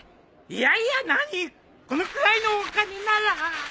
いやいや何このくらいのお金なら。